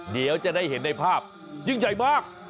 เดี๋ยวจะได้เห็นในภาพยิ่งใหญ่มาก